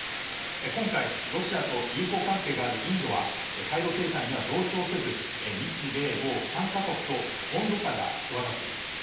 今回、ロシアと友好関係があるインドは対露制裁には同調せず、日米豪３か国と温度差が際立っています。